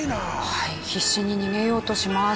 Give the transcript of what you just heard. はい必死に逃げようとします。